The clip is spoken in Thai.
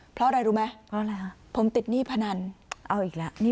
เพราะอะไรรู้ไหมเพราะอะไรฮะผมติดหนี้พนันเอาอีกแล้ว